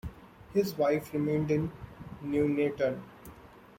His wife remained in Nuneaton.